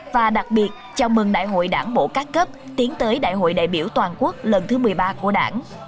và đặc biệt chào mừng đại hội đảng bộ các cấp tiến tới đại hội đại biểu toàn quốc lần thứ một mươi ba của đảng